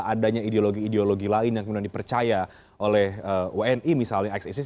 adanya ideologi ideologi lain yang kemudian dipercaya oleh wni misalnya x isis